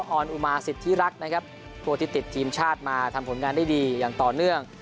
ออนอุมาสิทธิรักษ์นะครับผู้ที่ติดทีมชาติมาทำผลงานได้ดีอย่างต่อเนื่อง